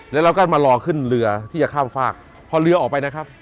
แล้วเราก็มารอขึ้นเรือที่จะข้ามฝากพอเรือออกไปนะครับ